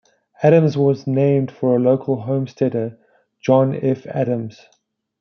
Adams was named for a local homesteader, John F. Adams.